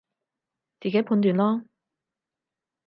自己判斷囉